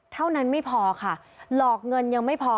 เท่านั้นไม่พอค่ะหลอกเงินยังไม่พอ